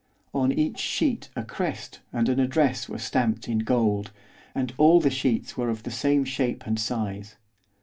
On each sheet a crest and an address were stamped in gold, and all the sheets were of the same shape and size.